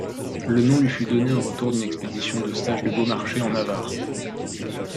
Le nom lui fut donné au retour d'une expédition d'Eustache de Beaumarchais en Navarre.